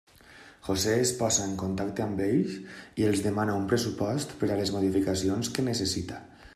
José es posa en contacte amb ells, i els demana un pressupost per a les modificacions que necessita.